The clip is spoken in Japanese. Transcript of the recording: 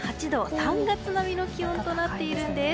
３月並みの気温となっているんです。